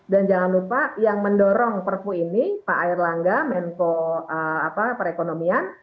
dan jangan lupa yang mendorong perpu ini pak air langga mento perekonomian